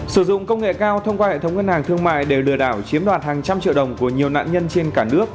sử dụng công nghệ cao thông qua hệ thống ngân hàng thương mại để lừa đảo chiếm đoạt hàng trăm triệu đồng của nhiều nạn nhân trên cả nước